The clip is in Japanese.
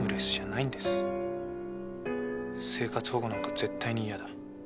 生活保護なんか絶対に嫌だ。